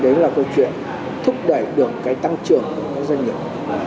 đấy là câu chuyện thúc đẩy được cái tăng trưởng của các doanh nghiệp